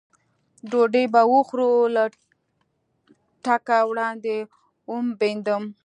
ډوډۍ به وخورو، له تګه وړاندې ومبېدم.